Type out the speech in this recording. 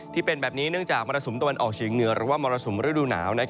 ที่เป็นแบบนี้เนื่องจากมรสุมตะวันออกเฉียงเหนือหรือว่ามรสุมฤดูหนาว